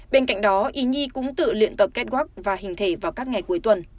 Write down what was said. bên cạnh đó ý như cũng tự luyện tập kết quắc và hình thể vào các ngày cuối tuần